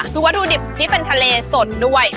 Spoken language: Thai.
คือวัตถุดิบที่เป็นทะเลสดด้วย